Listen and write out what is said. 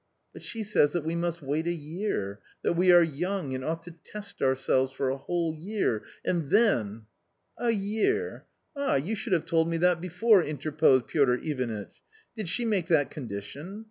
i " But she says that we must wait a vea^ t hat we are yo ung, J /and oughijo test ourselves — for a whole yeaf—^ndthen^ —" year! a h ! you should have told me that before !" interposed Piotr Ivanitch ; "did she make that condition?